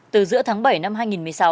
từ giữa tháng bảy năm hai nghìn một mươi sáu